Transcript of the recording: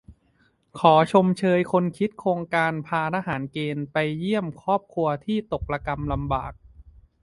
ขอชมเชยคนคิดโครงการพาทหารเกณฑ์ไปเยี่ยมครอบครัวที่ตกระกำลำบาก